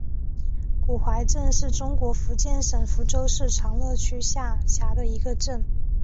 古槐镇是中国福建省福州市长乐区下辖的一个镇。